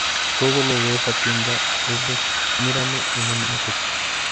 Todo lo de esa tienda es de mírame y no me toques